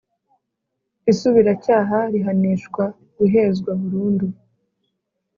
Isubiracyaha rihanishwa guhezwa burundu